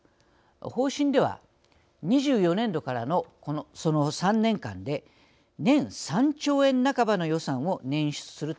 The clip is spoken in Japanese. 方針では２４年度からのその３年間で年３兆円半ばの予算を捻出するとしています。